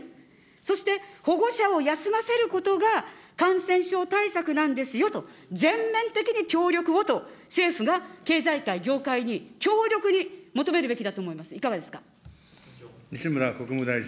そして保護者を休ませることが感染症対策なんですよと、全面的に協力をと、政府が経済界、業界に強力に求めるべきだと思います、いかがですか。